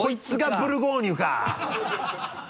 ブルゴーニュ。